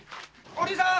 お凛さん！